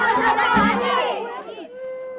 tolong pakde bubar aja